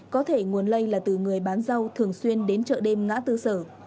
có thể nguồn lây là từ người bán rau thường xuyên đến chợ đêm ngã tư sở